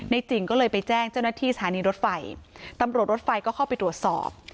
จริงก็เลยไปแจ้งเจ้าหน้าที่สถานีรถไฟตำรวจรถไฟก็เข้าไปตรวจสอบ